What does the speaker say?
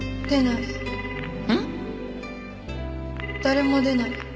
誰も出ない。